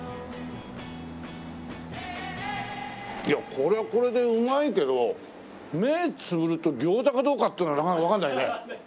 いやこれはこれでうまいけど目つぶると餃子かどうかっていうのはなかなかわからないね。